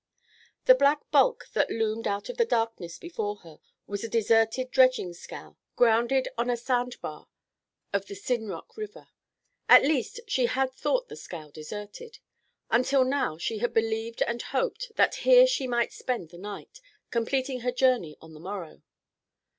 The black bulk that loomed out of the darkness before her was a deserted dredging scow, grounded on a sand bar of the Sinrock River. At least she had thought the scow deserted. Until now she had believed and hoped that here she might spend the night, completing her journey on the morrow.